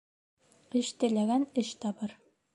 Эш теләгән эш табыр.